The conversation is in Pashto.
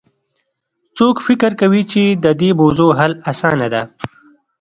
څوک فکر کوي چې د دې موضوع حل اسانه ده